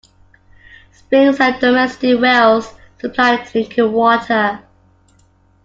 Springs and domestic wells supplied drinking water.